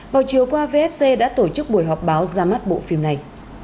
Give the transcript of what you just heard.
vào chiều qua vfc đã tổ chức buổi họp báo ra mắt bộ phim này